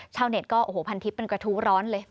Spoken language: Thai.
ชาวเน็ตก็โอ้โหพันทิพย์เป็นกระทู้ร้อนเลย